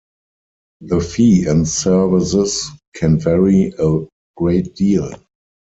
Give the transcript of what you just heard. The fee and services can vary a great deal.